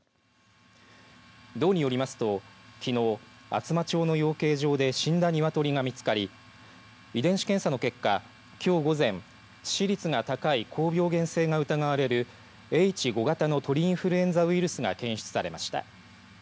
道によりますときのう、厚真町の養鶏場で死んだ鶏が見つかり遺伝子検査の結果きょう午前、致死率が高い高病原性が疑われるＨ５型の鳥インフルエンザウイルスが検出されました。